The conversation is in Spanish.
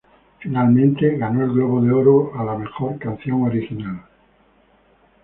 Finalmente ganó el Globo de Oro a la mejor canción original.